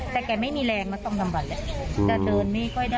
แต่แกไม่มีแรงมาสองสามวันเลย